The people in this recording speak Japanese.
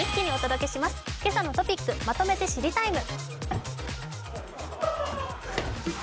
「けさのトピックまとめて知りＴＩＭＥ，」。